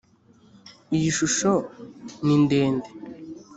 iyi shusho nindende.